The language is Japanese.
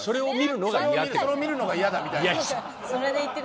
それを見るのが嫌だみたいな。